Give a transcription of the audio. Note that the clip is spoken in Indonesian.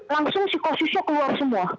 langsung psikosisnya keluar semua